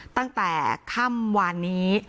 ตั้งแต่ค่ำวานนี้